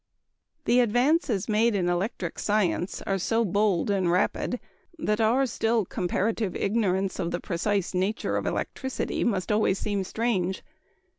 _ The advances made in electric science are so bold and rapid that our still comparative ignorance of the precise nature of electricity must always seem strange.